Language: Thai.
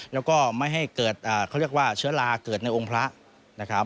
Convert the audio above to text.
แล้วก็ไม่ให้เกิดเขาเรียกว่าเชื้อลาเกิดในองค์พระนะครับ